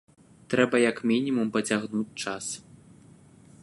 Трэба як мінімум пацягнуць час.